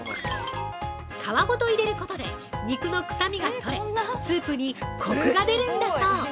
皮ごと入れることで肉の臭みが取れスープにコクが出るんだそう。